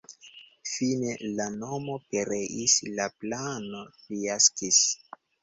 Fine la mono pereis, la plano fiaskis.